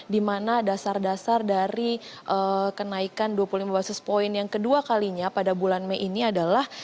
dimana dasar dasar dari kenaikan dua puluh lima basis point yang kedua kalinya pada bulan mei ini adalah